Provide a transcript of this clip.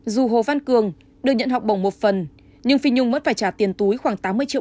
dù hồ văn cường được nhận học bổng một phần nhưng phi nhung vẫn phải trả tiền túi khoảng tám mươi triệu